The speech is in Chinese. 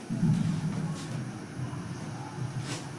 塔什克羊角芹为伞形科羊角芹属下的一个种。